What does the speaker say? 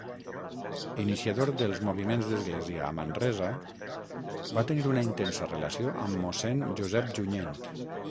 Iniciador dels moviments d'església a Manresa, va tenir una intensa relació amb Mossèn Josep Junyent.